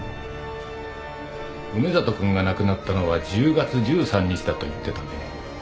梅里君が亡くなったのは１０月１３日だと言ってたね。